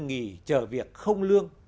nghỉ chờ việc không lương